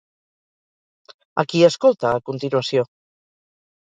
A qui escolta, a continuació?